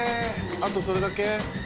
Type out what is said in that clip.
あとそれだけ？